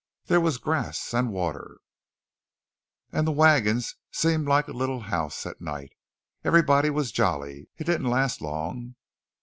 "There was grass and water; and the wagon seemed like a little house at night. Everybody was jolly. It didn't last long."